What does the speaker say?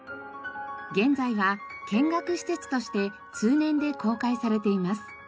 現在は見学施設として通年で公開されています。